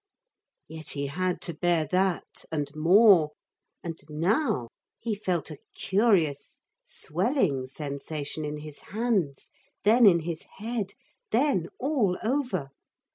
Yet he had to bear that, and more. And now he felt a curious swelling sensation in his hands, then in his head then all over.